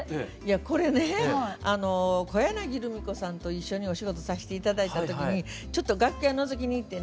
これね小柳ルミ子さんと一緒にお仕事さして頂いた時にちょっと楽屋のぞきに行ってねしゃべろうと思って。